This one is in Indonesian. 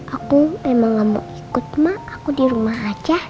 aku emang gak mau ikut ma aku di rumah aja